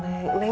bukan neng neng